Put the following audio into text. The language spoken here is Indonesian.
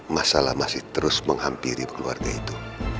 masalah masih terus menghampiri keluarga itu